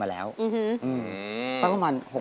ครับมีแฟนเขาเรียกร้อง